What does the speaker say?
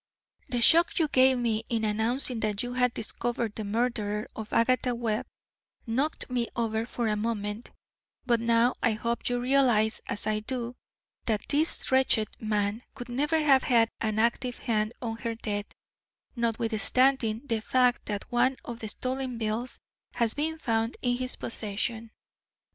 The shock you gave me in announcing that you had discovered the murderer of Agatha Webb knocked me over for a moment, but now I hope you realise, as I do, that this wretched man could never have had an active hand in her death, notwithstanding the fact that one of the stolen bills has been found in his possession.